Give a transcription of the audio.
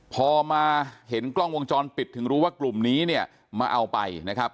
พอมาเห็นกล้องวงจรปิดถึงรู้ว่ากลุ่มนี้เนี่ยมาเอาไปนะครับ